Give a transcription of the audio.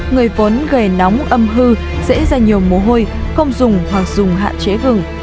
người vốn gầy nóng âm hư dễ ra nhiều mồ hôi không dùng hoặc dùng hạn chế hừng